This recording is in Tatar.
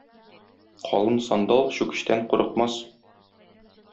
Калын сандал чүкечтән курыкмас.